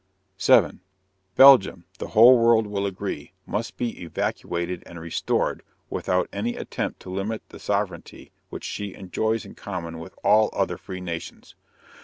7. _Belgium, the whole world will agree, must be evacuated and restored, without any attempt to limit the sovereignty which she enjoys in common with all other free nations.